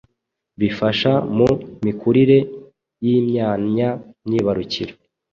bifasha mu mikurire y’imyanya myibarukiro